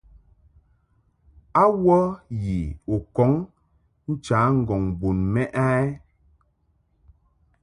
A wə yi u kɔŋ ncha ŋgɔŋ bun mɛʼ a?